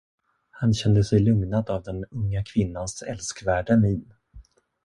Han kände sig lugnad av den unga kvinnans älskvärda min.